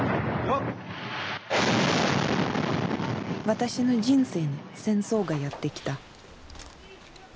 私の人生に「戦争」がやって来た。